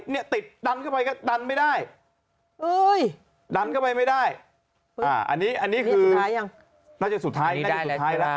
เนี่ยติดดันเข้าไปก็ดันไม่ได้ดันเข้าไปไม่ได้อันนี้คือน่าจะสุดท้าย